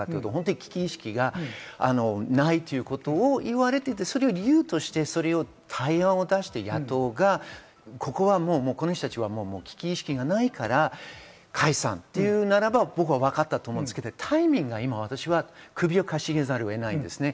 危機意識がないということを言われてそれを理由として対案を出して、野党が危機意識がないから解散というならばわかったと思うんですけれどタイミングが首をかしげざるを得ないです。